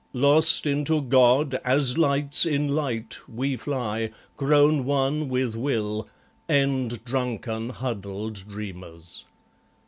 Lost into God, as lights in light, we fly, Grown one with will, end drunken huddled dreamers.